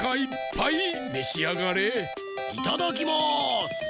いただきます！